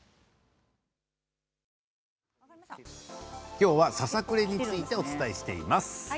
今日は、ささくれについてお伝えしています。